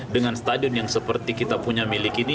dengan stadion yang seperti kita punya milik ini